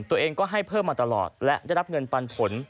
ตัวเองก็ให้เพิ่มมาตลอดและได้รับเงินปันผล